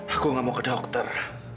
aku gak mau ke dokter